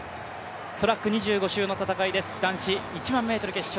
トラック２５周の戦いです、男子１００００ｍの決勝。